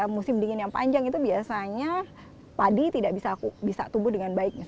musim dingin yang panjang itu biasanya padi tidak bisa tumbuh dengan baik